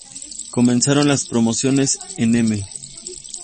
Comenzaron las promociones en "M!